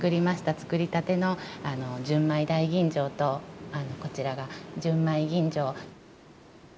造りたての純米大吟醸とこちらが純米吟醸。